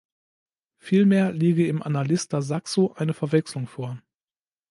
Vielmehr liege im Annalista Saxo eine Verwechslung vor.